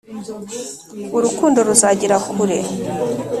Ururukundo ruzagera kure